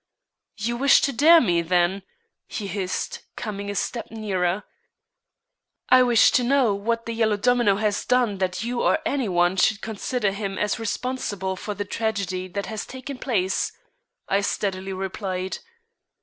"You wish to dare me, then?" he hissed, coming a step nearer. "I wish to know what the Yellow Domino has done that you or any one should consider him as responsible for the tragedy that has here taken place," I steadily replied.